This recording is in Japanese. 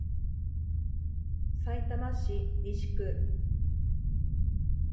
さいたま市西区